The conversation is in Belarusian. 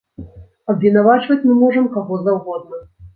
Абвінавачваць мы можам каго заўгодна.